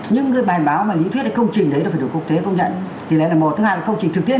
những cái bài báo mà lý thuyết công trình đấy là phải được quốc tế công nhận thì đấy là một thứ hai là công trình thực tiễn